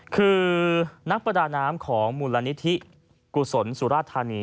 คือนักประดาน้ำของมูลนิธิกุศลสุราธานี